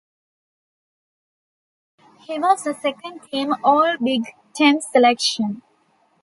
He was a Second Team All-Big Ten selection.